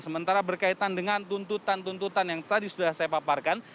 sementara berkaitan dengan tuntutan tuntutan yang tadi sudah saya paparkan